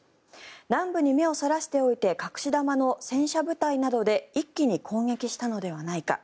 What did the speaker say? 南部に目をそらしておいて隠し玉の戦車部隊などで一気に攻撃したのではないか。